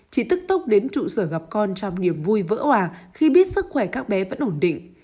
chị tức tốc đến trụ sở gặp con trong niềm vui vỡ hòa khi biết sức khỏe các bé vẫn ổn định